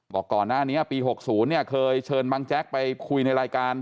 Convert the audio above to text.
บอกก่อนหน้านี้ปี๖๐เนี่ยเคยเชิญบังแจ๊กไปคุยในรายการ